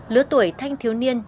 lứa tuổi thanh thiếu niên